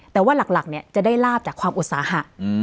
แต่ว่าหลักจะได้ลาบจากความอุตสาหะ